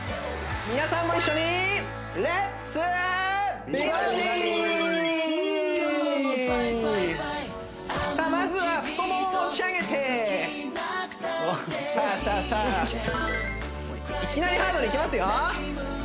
皆さんも一緒にさあまずは太モモ持ち上げてさあさあさあいきなりハードにいきますよ